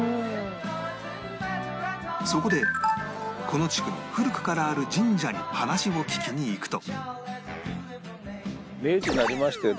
そこでこの地区に古くからある神社に話を聞きに行くと